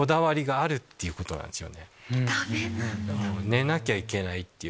寝なきゃいけないっていう。